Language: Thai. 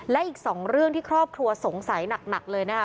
และอีก๒เรื่องที่ครอบครัวสงสัยหนักเลยนะคะ